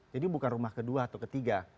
jadi bukan rumah kedua atau ketiga